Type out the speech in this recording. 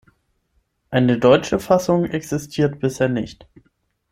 Eine deutsche Fassung existiert bisher nicht.